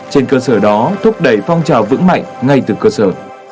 trên cơ sở đó thúc đẩy phong trào vững mạnh ngay từ cơ sở